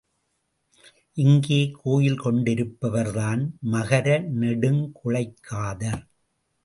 இங்கே கோயில் கொண்டிருப்பவர்தான் மகர நெடுங்குழைக்காதர்.